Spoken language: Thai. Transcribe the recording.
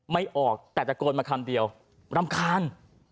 ไม่ออกแต่ตะโกนมาคำเดียวรำคาญ